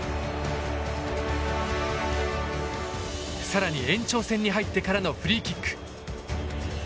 更に延長戦に入ってからのフリーキック。